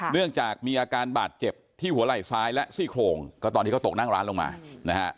เนื่องจากมีอาการบาดเจ็บที่หัวไหล่ซ้ายและซี่โครงก็ตอนที่เขาตกนั่งร้านลงมานะฮะ